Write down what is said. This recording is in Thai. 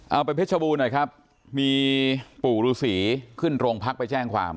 ไปเพชรบูรณ์หน่อยครับมีปู่ฤษีขึ้นโรงพักไปแจ้งความ